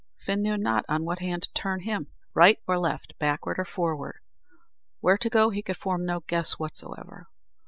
Fin knew not on what hand to turn him. Right or left backward or forward where to go he could form no guess whatsoever.